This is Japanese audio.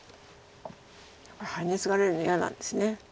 やっぱりハネツガれるの嫌なんです。